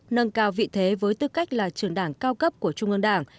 nâng cao vị thế với tư cách là trường đảng cao cấp của trung ương đảng